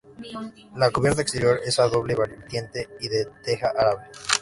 La cubierta exterior es a doble vertiente y de teja árabe.